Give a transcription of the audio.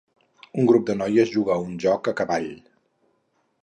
Un grup de noies juga a un joc a cavall.